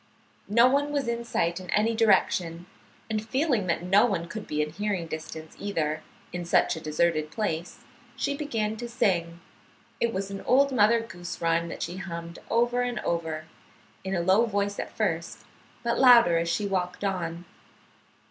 No one was in sight in any direction, and feeling that no one could be in hearing distance, either, in such a deserted place, she began to sing. It was an old Mother Goose rhyme that she hummed over and over, in a low voice at first, but louder as she walked on.